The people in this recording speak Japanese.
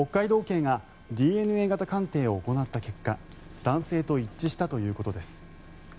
警がＤＮＡ型鑑定を行った結果男性と一致したということです。